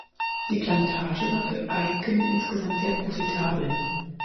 Die Plantage war für Aiken insgesamt sehr profitabel.